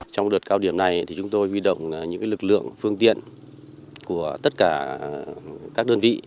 trong đợt cao điểm này chúng tôi huy động những lực lượng phương tiện của tất cả các đơn vị